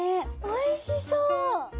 おいしそう！